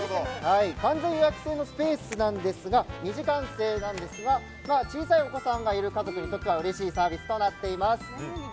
完全予約制のスペースで２時間制なんですが小さいお子さんがいる家族にとってはうれしいサービスとなっています。